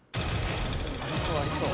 ありそうありそう。